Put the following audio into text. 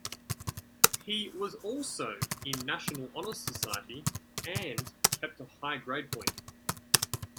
He was also in National Honor Society and kept a high grade point.